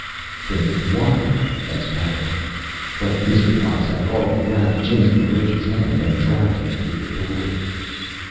"Think of what?" asked Harold. But Mr. Untz had already grabbed Jimsy LaRoche's hand and dragged him through the door.